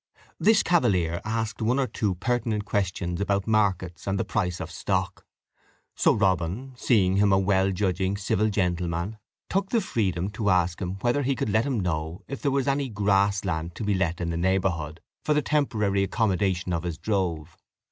This cavalier asked one or two pertinent questions about markets and the price of stock. So Robin, seeing him a well judging, civil gentleman, took the freedom to ask him whether he could let him know if there was any grass land to be let in that neighbourhood, for the temporary accommodation of his drove.